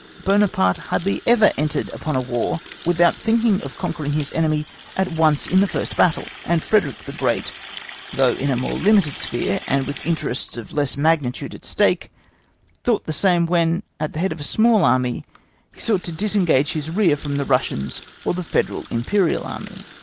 Buonaparte hardly ever entered upon a War without thinking of conquering his enemy at once in the first battle,(*) and Frederick the Great, although in a more limited sphere, and with interests of less magnitude at stake, thought the same when, at the head of a small Army, he sought to disengage his rear from the Russians or the Federal Imperial Army.